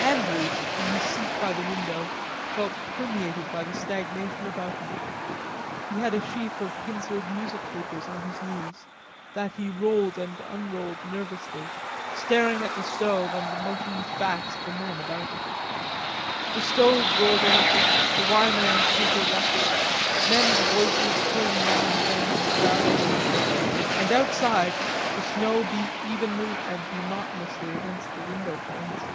Andrews, in his seat by the window, felt permeated by the stagnation about him: He had a sheaf of pencilled music papers on his knees, that he rolled and unrolled nervously, staring at the stove and the motionless backs of the men about it. The stove roared a little, the "Y" man's paper rustled, men's voices came now and then in a drowsy whisper, and outside the snow beat evenly and monotonously against the window panes.